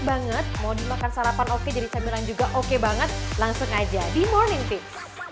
banget mau dimakan sarapan oke jadi sambilan juga oke banget langsung aja di morning fix